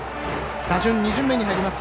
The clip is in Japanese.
打順２巡目に入ります。